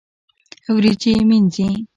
وريجي مينځي